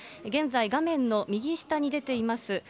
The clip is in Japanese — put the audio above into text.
現在、画面の右下に出ています